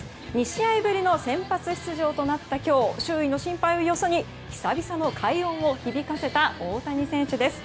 ２試合ぶりの先発出場となった今日周囲の心配をよそに久々の快音を響かせた大谷選手です。